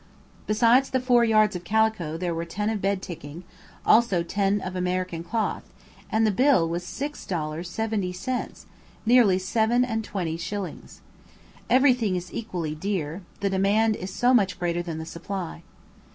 Besides the four yards of calico there were ten of bed ticking, also ten of American cloth; and the bill was six dollars seventy cents, nearly seven and twenty shillings. Everything is equally dear, the demand is so much greater than the supply.